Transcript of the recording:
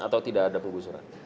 atau tidak ada pengusuran